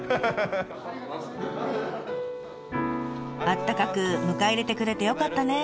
あったかく迎え入れてくれてよかったね！